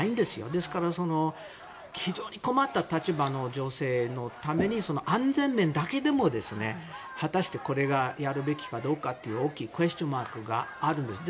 ですから非常に困った立場の女性のために安全面だけでも、果たしてこれがやるべきかどうか大きいクエスチョンマークがあるんです。